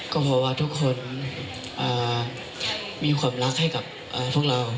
ก็เพราะว่าทุกคนมีความรักให้กับพวกเรา